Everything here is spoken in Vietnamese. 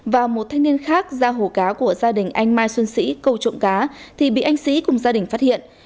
và một thanh niên khác ra hồ cá của gia đình anh mai xuân sĩ câu trộm cá thì bị anh sĩ cùng gia đình phát hiện